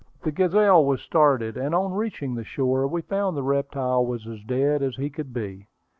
The Gazelle was started, and on reaching the shore we found the reptile was as dead as he could be.